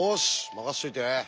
任せといて。